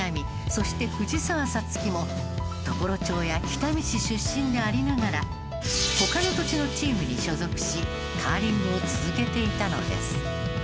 そして藤澤五月も常呂町や北見市出身でありながら他の土地のチームに所属しカーリングを続けていたのです。